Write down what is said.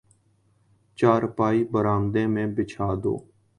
چارپائی برآمدہ میں بچھا دو